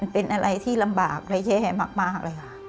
เป็นอะไรที่รำบากและแย่มาก